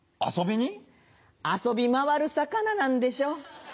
「遊び回る魚」なんでしょ。